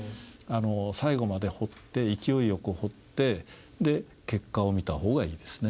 最後まで彫って勢いよく彫ってで結果を見た方がいいですね。